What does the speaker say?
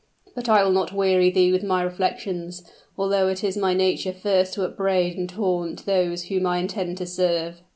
But I will not weary thee with my reflections; although it is my nature first to upbraid and taunt those whom I intend to serve!"